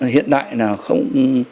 hiện tại là không